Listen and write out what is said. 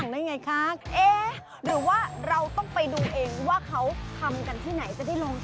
นี่จ้า๒ผืนนี่จ้า๒๐๐๐๐อีก